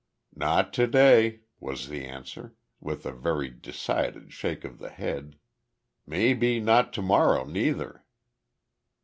"Not to day," was the answer, with a very decided shake of the head. "May be not to marrer neither."